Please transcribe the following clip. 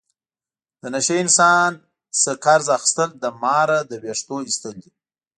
د نشه یي انسان نه قرض اخستل له ماره د وېښتو ایستل دي.